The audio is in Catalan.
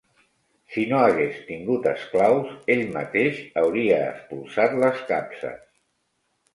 Si no hagués tingut esclaus, ell mateix hauria espolsat les capses